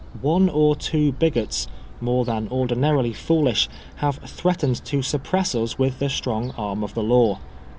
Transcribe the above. One or two bigots, more than ordinarily foolish, have threatened to suppress us with the strong arm of the law.